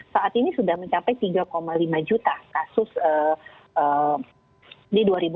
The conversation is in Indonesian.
saat ini sudah mencapai tiga lima juta kasus di dua ribu dua puluh dua ini sebagai akibat tentunya varian omicron ini